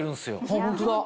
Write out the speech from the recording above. ホントだ。